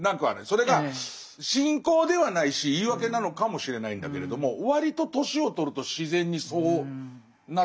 それが信仰ではないし言い訳なのかもしれないんだけれども割と年を取ると自然にそうなってきてるなとは思うんですけど。